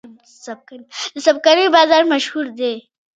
د څمکنیو بازار مشهور دی